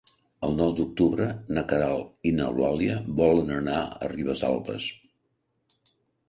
El nou d'octubre na Queralt i n'Eulàlia volen anar a Ribesalbes.